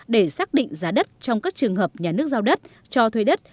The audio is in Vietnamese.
để xác định giá đất trong các trường hợp nhà nước giao đất cho thuê đất